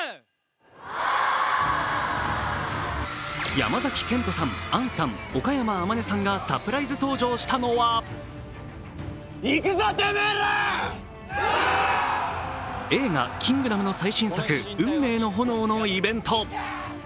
山崎賢人さん、杏さん、岡山天音さんがサプライズ登場したのは映画「キングダム」の最新作、「運命の炎」のイベント。